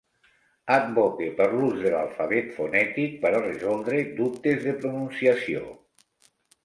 Advoque per l'ús de l'alfabet fonètic per a resoldre dubtes de pronunciació.